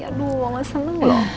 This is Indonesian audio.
aduh gak seneng ya